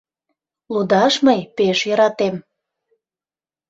Лудаш мый пеш йӧратем.